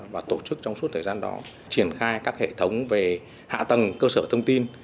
và tổ chức trong suốt thời gian đó triển khai các hệ thống về hạ tầng cơ sở thông tin